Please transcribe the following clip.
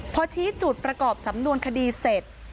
พอชี้จุดประกอบสำนวนคดีเสร็จ